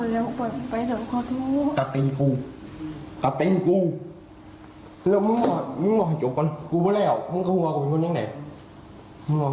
แล้วทำไมต้องทำกูขนาดนั้น